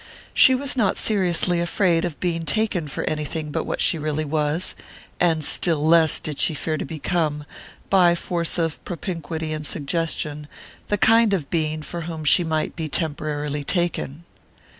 She was not seriously afraid of being taken for anything but what she really was, and still less did she fear to become, by force of propinquity and suggestion, the kind of being for whom she might be temporarily taken.